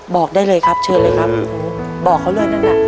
บอกได้เลยครับเชิญเลยครับบอกเขาเลยนั่นน่ะ